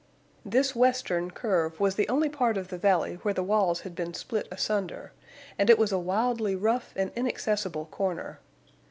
This western curve was the only part of the valley where the walls had been split asunder, and it was a wildly rough and inaccessible corner.